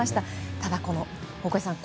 ただ、大越さん